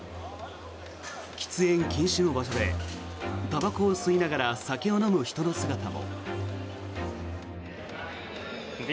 喫煙禁止の場所でたばこを吸いながら酒を飲む人の姿も。